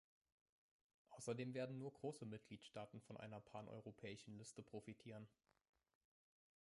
Außerdem werden nur große Mitgliedstaaten von einer paneuropäischen Liste profitieren.